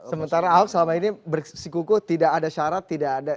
sementara ahok selama ini bersikuku tidak ada syarat tidak ada